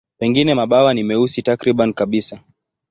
Pengine mabawa ni meusi takriban kabisa.